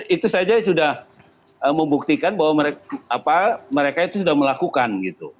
itu saja sudah membuktikan bahwa mereka itu sudah melakukan